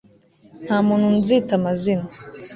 nta muntu nzita amazina